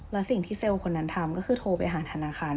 แล้วสิ่งที่เซลล์คนนั้นทำก็คือโทรไปหาธนาคาร